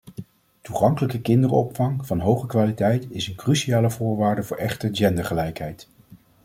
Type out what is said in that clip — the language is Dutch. Toegankelijke kinderopvang van hoge kwaliteit is een cruciale voorwaarde voor echte gendergelijkheid.